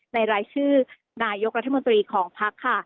รายชื่อนายกรัฐมนตรีของพักค่ะ